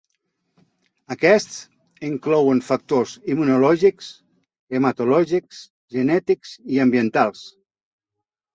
Aquests inclouen factors immunològics, hematològics, genètics i ambientals.